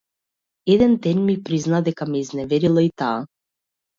Еден ден ми призна дека ме изневерила и таа.